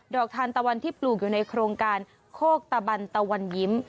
ทานตะวันที่ปลูกอยู่ในโครงการโคกตะบันตะวันยิ้ม